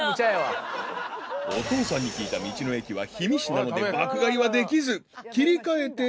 ［お父さんに聞いた道の駅は氷見市なので爆買いはできず切り替えて］